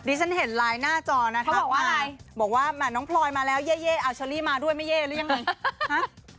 ดิฉันเห็นไลน์หน้าจอนะครับบอกว่าน้องพลอยมาแล้วเยอะชะลี่มาด้วยไม่เยอะหรือยังไง